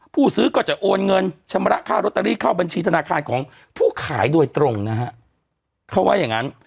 ผู้ซื้อก็จะโอนเงินชำระค่ารอตเตอรี่เข้าบัญชีธนาคารของผู้ขายโดยตรงนะฮะเขาว่าอย่างงั้น